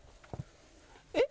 えっ？